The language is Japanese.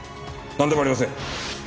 なんでもありません。